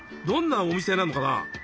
どんなお店なのかな？